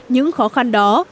những khó khăn đó